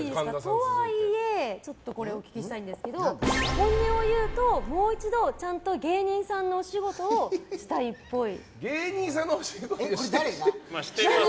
とはいえこれをお聞きしたいんですけど本音を言うと、もう一度ちゃんと芸人さんのお仕事を芸人さんのお仕事？